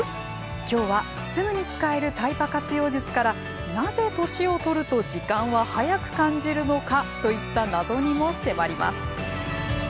今日はすぐに使えるタイパ活用術からなぜ年を取ると時間は早く感じるのかといった謎にも迫ります。